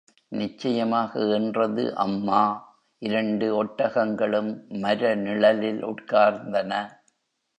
நிச்சயமாக என்றது அம்மா, இரண்டு ஒட்டகங்களும் மர நிழலில் உட்கார்ந்தன.